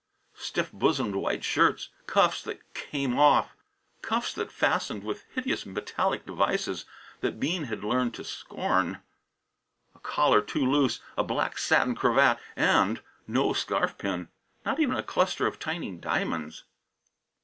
Stiff bosomed white shirts, cuffs that "came off," cuffs that fastened with hideous metallic devices that Bean had learned to scorn. A collar too loose, a black satin cravat, and no scarf pin; not even a cluster of tiny diamonds.